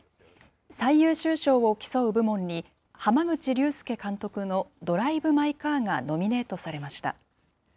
最優秀賞を競う部門に、濱口竜介監督のドライブ・マイ・カーがノミネートされました。